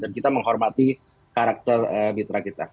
dan kita menghormati karakter mitra kita